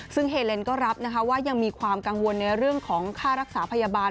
ซึ่งเฮเลนก็รับนะคะว่ายังมีความกังวลในเรื่องของค่ารักษาพยาบาล